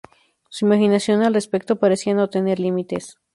Su imaginación al respecto parecía no tener límites.